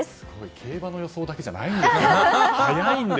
競馬の予想だけじゃないんですね。